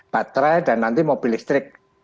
baterai dan nanti mobil listrik